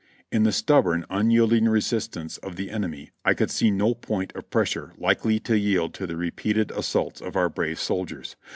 In the stubborn, unyielding resistance of the enemy I could see no point of pressure likely to yield to the repeated assaults of our brave soldiers.